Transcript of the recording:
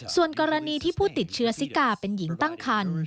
ส่วนกรณีที่ผู้ติดเชื้อซิกาเป็นหญิงตั้งคัน